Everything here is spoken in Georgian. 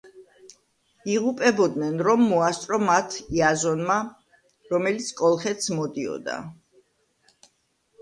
იღუპებოდნენ, რომ მოასწრო მათ იაზონმა, რომელიც კოლხეთს მოდიოდა.